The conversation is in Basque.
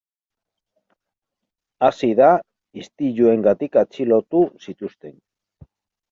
Hasi da istiluengatik atxilotu zituzten.